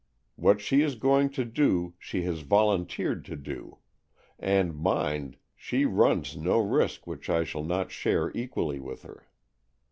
What she is going to do, she has volunteered to do. And, mind, she runs no risk which I shall not share equally with her.